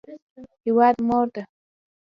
هیواد مور ده